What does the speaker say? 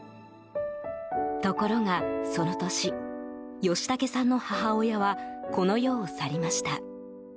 ところが、その年吉竹さんの母親はこの世を去りました。